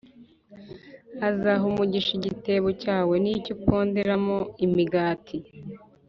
“azaha umugisha igitebo cyawe+ n’icyo uponderamo imigati+